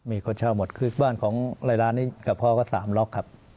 มีคนเช่าหมดคือบ้านของรายร้านนี้กับพ่อก็๓ล็อกครับ